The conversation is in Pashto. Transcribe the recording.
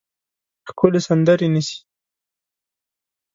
ښکلې سندرې نیسي